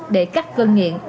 để cắt cơn nghiện